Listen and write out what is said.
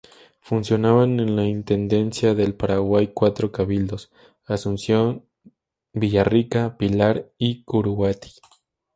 Funcionaban en la intendencia del Paraguay cuatro cabildos: Asunción, Villarrica, Pilar y Curuguaty.